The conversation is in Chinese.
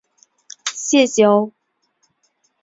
谢谢哦